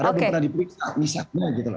ada yang pernah diperiksa misalnya gitu loh